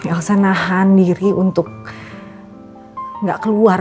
elsa nahan diri untuk nggak keluar